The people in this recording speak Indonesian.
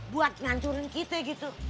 buat ngancurin kita gitu